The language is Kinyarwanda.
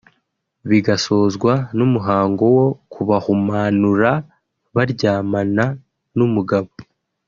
bigasozwa n’umuhango wo kubahumanura baryamana n’umugabo